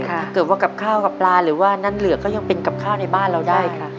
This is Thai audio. ถ้าเกิดว่ากับข้าวกับปลาหรือว่านั้นเหลือก็ยังเป็นกับข้าวในบ้านเราได้ค่ะ